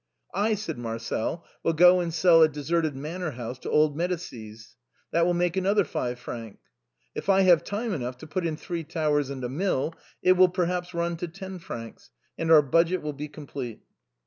" I," said Marcel, " will go and sell a deserted manor house to old Medicis. That will make another five francs. If I have time enough to put in three towers and a mill, it will perhaps run to ten francs, and our budget will be complete."